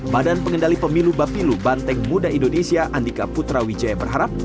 badan pengendali pemilu bapilu banteng muda indonesia andika putrawijaya berharap